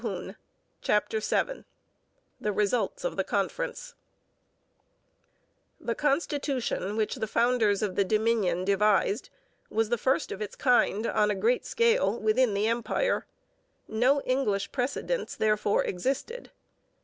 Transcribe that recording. CHAPTER VII THE RESULTS OF THE CONFERENCE The constitution which the founders of the Dominion devised was the first of its kind on a great scale within the Empire. No English precedents therefore existed.